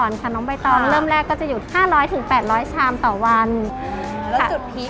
นี่ค่ะพี่แอดพี่แอดจะอยู่ในกลุ่มไว้เริ่ม